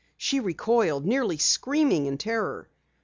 She recoiled, nearly screaming in terror.